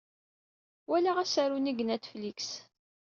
Walaɣ asaru-nni deg Netflix.